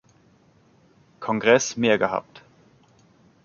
Kongress mehr gehabt.